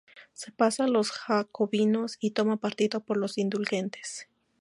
Se pasa a los jacobinos y toma partido por los Indulgentes.